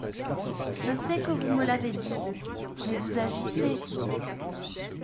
Je sais que vous me l’avez dit ; mais vous agissez…